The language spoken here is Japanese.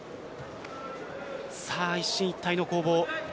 一進一退の攻防。